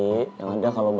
nanti yang ada kalau mau nanti